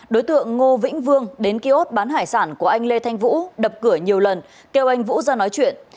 đối tượng ngô vĩnh vương đến kiosk bán hải sản của anh lê thanh vũ đập cửa nhiều lần kêu anh vũ ra nói chuyện